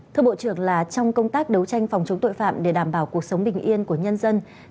thưa bộ trưởng là trong công tác đấu tranh phòng chống tội phạm để đảm bảo cuộc sống bình yên của nhân dân